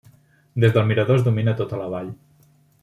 Des del mirador es domina tota la vall.